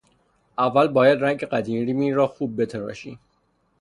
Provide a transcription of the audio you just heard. اول باید رنگ قدیمی را خوب بتراشی.